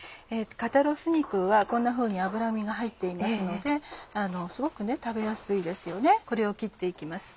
肩ロース肉はこんなふうに脂身が入っていますのですごく食べやすいですよねこれを切って行きます。